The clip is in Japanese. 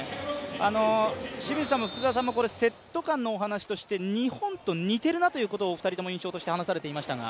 清水さんも福澤さんもセット間のお話として日本と似ているなということをお二人、印象として話されていましたが。